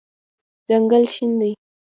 ځنګل شین دی